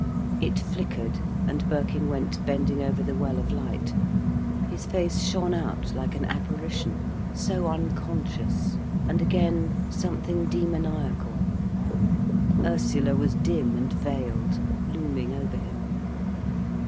It flickered, and Birkin went bending over the well of light. His face shone out like an apparition, so unconscious, and again, something demoniacal. Ursula was dim and veiled, looming over him.